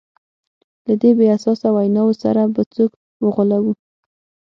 له دې بې اساسه ویناوو سره به څوک وغولوو.